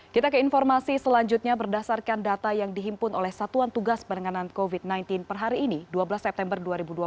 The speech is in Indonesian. kita ke informasi selanjutnya berdasarkan data yang dihimpun oleh satuan tugas penanganan covid sembilan belas per hari ini dua belas september dua ribu dua puluh